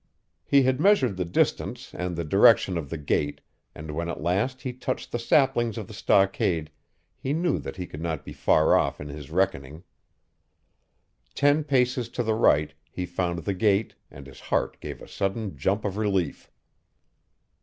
He had measured the distance and the direction of the gate and when at last he touched the saplings of the stockade he knew that he could not be far off in his reckoning. Ten paces to the right he found the gate and his heart gave a sudden jump of relief.